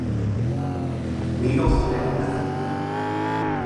Needle stick method